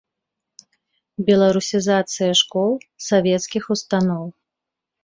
Беларусізацыя школ, савецкіх устаноў.